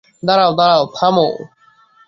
দাঁড়াও, দাঁড়াও, থামো।